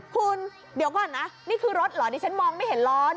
คุณเดี๋ยวขวัดนะนี่คือรถหรือนี่ฉันมองไม่เห็นแล้ว